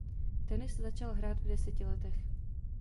Tenis začal hrát v deseti letech.